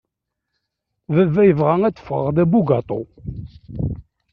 Baba yebɣa ad d-fɣeɣ d abugatu.